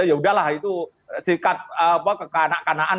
ya udahlah itu sikat kekanak kanaan